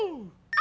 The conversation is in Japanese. あ！